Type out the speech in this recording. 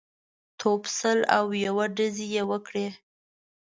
توپ سل او یو ډزې یې وکړې.